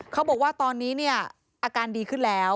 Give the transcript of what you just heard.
เขาบอกว่าตอนนี้เนี่ยอาการดีขึ้นแล้ว